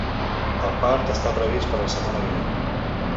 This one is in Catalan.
El part està previst per a la setmana vinent.